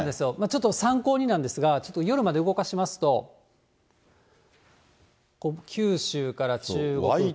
ちょっと参考になんですが、ちょっと夜まで動かしますと、九州から中国。